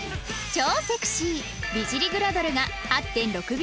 超セクシー美尻グラドルが ８．６ 秒